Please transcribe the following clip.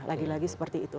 lagi lagi seperti itu